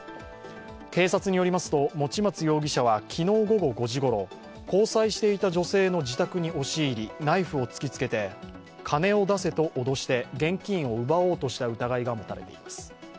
警察によりますと、用松容疑者は昨日午後５時ごろ、交際していた女性の自宅に押し入りナイフを突きつけて金を出せと脅し現金を奪おうとした疑いが持たれています。